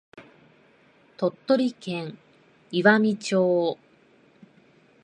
鳥取県岩美町